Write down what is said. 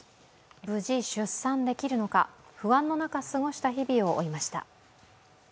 無事出産できるのか、不安の中過ごした日々を追いました。